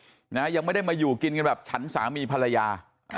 นะยังไม่ได้มาอยู่กินกันแบบฉันสามีภรรยา